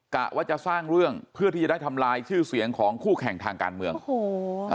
กะว่าจะสร้างเรื่องเพื่อที่จะได้ทำลายชื่อเสียงของคู่แข่งทางการเมืองโอ้โห